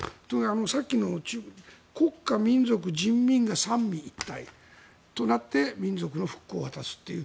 さっきの国家、民族、人民が三位一体となって民族の復興を果たすという。